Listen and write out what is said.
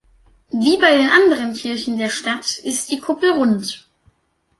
Wie bei den anderen Kirchen der Stadt ist die Kuppel rund.